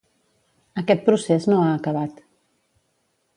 Aquest procés no ha acabat.